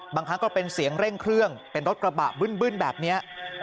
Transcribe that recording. ครั้งก็เป็นเสียงเร่งเครื่องเป็นรถกระบะบึ้นแบบนี้